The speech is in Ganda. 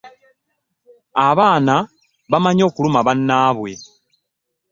Abaana bamanyi okuluma banabwe.